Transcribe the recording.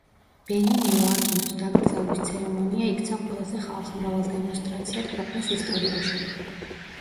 ბენინიო აკინოს დაკრძალვის ცერემონია იქცა ყველაზე ხალხმრავალ დემონსტრაციად ქვეყნის ისტორიაში.